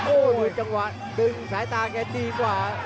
โอ้โหจังหวะดึงสายตาแกดีกว่า